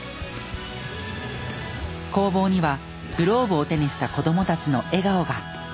工房にはグローブを手にした子供たちの笑顔が。